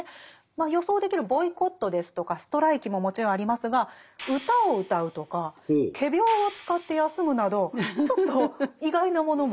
予想できるボイコットですとかストライキももちろんありますが歌を歌うとか仮病を使って休むなどちょっと意外なものも。